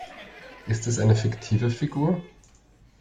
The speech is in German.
Ist es eine fiktive Figur?